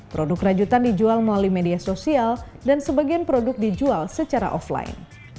produk rajutan dijual melalui media sosial dan sebagian produk dijual secara offline